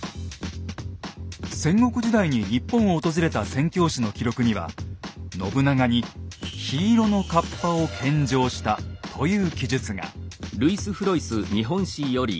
戦国時代に日本を訪れた宣教師の記録には「信長にひ色のカッパを献上した」という記述が。